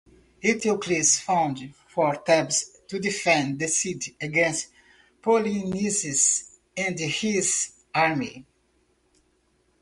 Eteocles fought for Thebes to defend the city against Polyneices and his army.